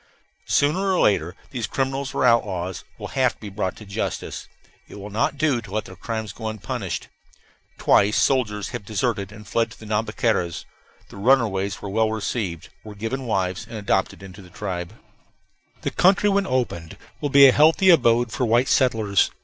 Sooner or later these criminals or outlaws will have to be brought to justice; it will not do to let their crimes go unpunished. Twice soldiers have deserted and fled to the Nhambiquaras. The runaways were well received, were given wives, and adopted into the tribe. The country when opened will be a healthy abode for white settlers.